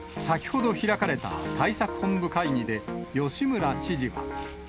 先ほど開かれた対策本部会議で、吉村知事は。